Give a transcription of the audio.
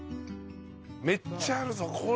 めっちゃあるぞこれは。